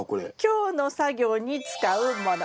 今日の作業に使うもの